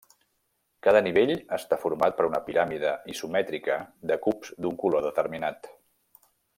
Cada nivell està format per una piràmide isomètrica de cubs d'un color determinat.